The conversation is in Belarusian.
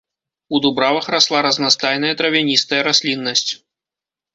У дубравах расла разнастайная травяністая расліннасць.